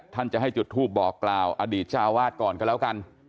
ท่านจะให้จุดทูปบอกกล่าวอดีตเจ้าอาวาสก่อนก็แล้วกัน